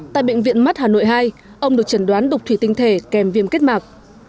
tại bệnh viện mắt hà nội hai ông được chẩn đoán đục thủy tinh thể kèm viêm kết mạc